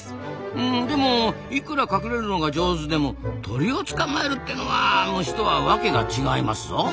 でもいくら隠れるのが上手でも鳥を捕まえるってのは虫とはワケが違いますぞ。